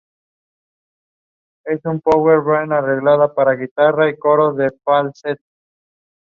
Hodge was the captain and quarterback.